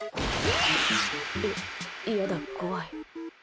えっ、やだ怖い。